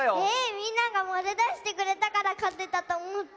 みんなが○だしてくれたからかてたとおもった。